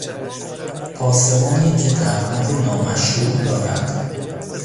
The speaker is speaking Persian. پاسبانی که درآمد نامشروع دارد